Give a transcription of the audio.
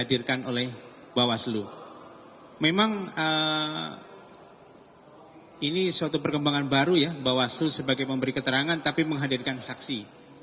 ini suatu perkembangan baru ya bawaslu sebagai pemberi keterangan tapi menghadirkan saksi